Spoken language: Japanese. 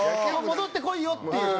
戻ってこいよっていう。